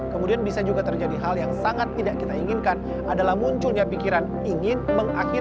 kemudian bisa juga terjadi hal yang sangat tidak kita inginkan adalah munculnya pikiran ingin mengakhiri